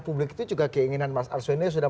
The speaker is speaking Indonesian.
publik itu juga keinginan mas arswendo sudah